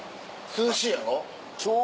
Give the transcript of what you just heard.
涼しいやろ。